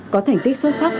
có thành tích xuất sắc